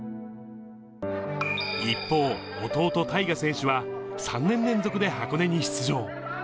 一方、弟、大翔選手は３年連続で箱根に出場。